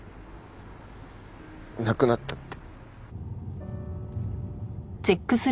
亡くなったって。